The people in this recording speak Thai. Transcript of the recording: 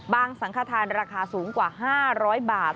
สังขทานราคาสูงกว่า๕๐๐บาท